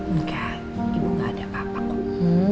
nggak ibu nggak ada apa apa kok